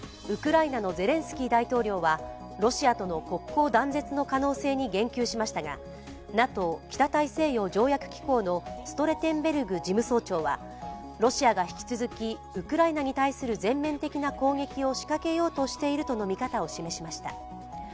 ウクライナのゼレンスキー大統領はロシアとの国交断絶の可能性に言及しましたがＮＡＴＯ＝北大西洋条約機構のストルテンベルグ事務総長はロシアが引き続き、ウクライナに対する全面的な攻撃を仕掛けようとしているとの見方を示しました。